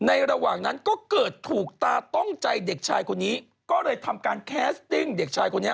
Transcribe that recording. ระหว่างนั้นก็เกิดถูกตาต้องใจเด็กชายคนนี้ก็เลยทำการแคสติ้งเด็กชายคนนี้